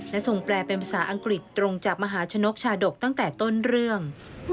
และทรงแปลเป็นภาษาอังกฤษตรงจากมหาชนกชาดกตั้งแต่ต้นเรื่อง